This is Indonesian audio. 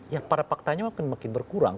ya pada faktanya mungkin makin berkurang